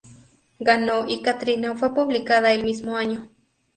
Ganó y "Katrina" fue publicada el mismo año.